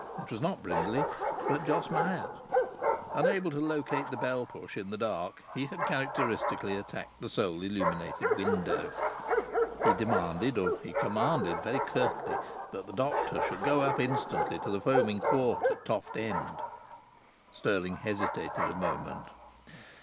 It was not Brindley, but Jos Myatt. Unable to locate the bell push in the dark, he had characteristically attacked the sole illuminated window. He demanded, or he commanded, very curtly, that the doctor should go up instantly to the Foaming Quart at Toft End. Stirling hesitated a moment.